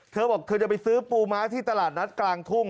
เธอบอกเธอจะไปซื้อปูม้าที่ตลาดนัดกลางทุ่ง